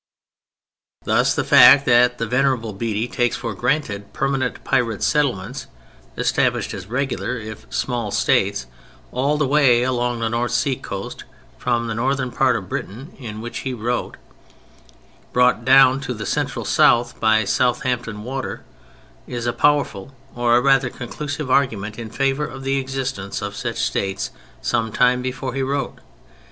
Thus the fact that the Venerable Bede takes for granted permanent pirate settlements (established as regular, if small, states), all the way along the North Sea coast from the northern part of Britain in which he wrote, brought down to the central south by Southampton Water, is a powerful or rather a conclusive argument in favor of the existence of such states some time before he wrote.